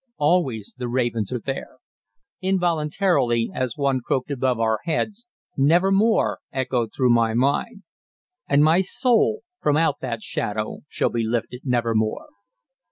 Always the ravens are there. Involuntarily, as one croaked above our heads, "Nevermore" echoed through my mind. "And my soul from out that shadow shall be lifted nevermore."